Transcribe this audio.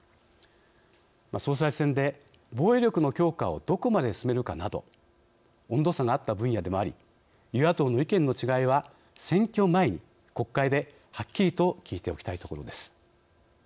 総裁選で防衛力の強化をどこまで進めるかなど温度差があった分野でもあり与野党の意見の違いは選挙前に国会ではっきりと聞いておきたいところです。